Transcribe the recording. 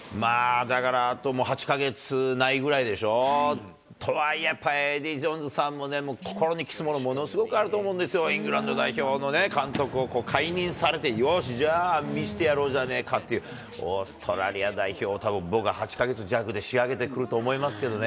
だから、あともう８か月ないぐらいでしょう、とはいえやっぱりエディ・ジョーンズさんも心にきすもの、ものすごくあると思うんですよ、イングランド代表の監督を解任されて、よし、じゃあ、見せてやろうじゃねえかっていう、オーストラリア代表、たぶん僕は８か月弱で仕上げてくると思いますけどね。